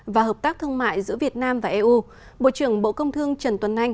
và hợp tác thương mại giữa việt nam và eu bộ trưởng bộ công thương trần tuấn anh